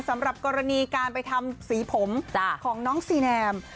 สำหรับกรณีการไปทำสีผมของน้องซีแนม